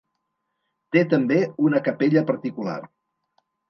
Té també una capella particular.